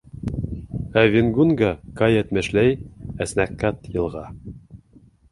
Ә Венгунга, Каа әйтмешләй, аснәкәт йылға...